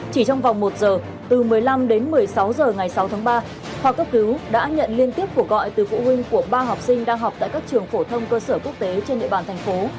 chỉ trong vòng một giờ từ một mươi năm đến một mươi sáu h ngày sáu tháng ba khoa cấp cứu đã nhận liên tiếp cuộc gọi từ phụ huynh của ba học sinh đang học tại các trường phổ thông cơ sở quốc tế trên địa bàn thành phố